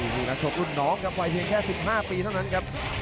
ดีนะชวบคุณน้องกับไวเทียงแค่๑๕ปีเท่านั้นครับ